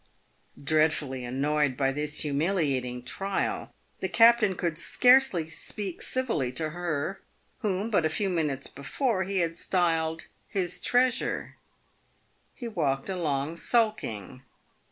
Dreadfully annoyed by this humiliating trial, the captain could scarcely speak civilly to her whom, but a few minutes before, he had styled " his treasure." He walked along sulking.